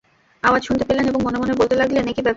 আওয়াজ শুনতে পেলেন এবং মনে মনে বলতে লাগলেন, একি ব্যাপার?